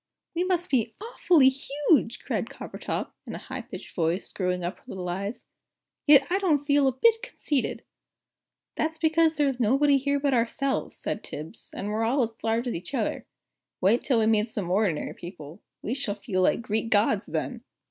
"We must be awfully huge!" cried Coppertop, in a high pitched voice, screwing up her little eyes. "Yet I don't feel a bit conceited!" "That's because there is nobody here but ourselves," said Tibbs, "and we're all as large as each other. Wait till we meet some ordinary people we shall feel like Greek gods then!"